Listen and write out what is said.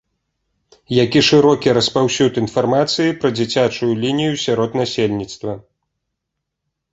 Як і шырокі распаўсюд інфармацыю пра дзіцячую лінію сярод насельніцтва.